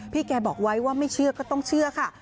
แกบอกไว้ว่าไม่เชื่อก็ต้องเชื่อค่ะ